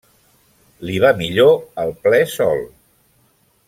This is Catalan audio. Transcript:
Li va millor el ple sol.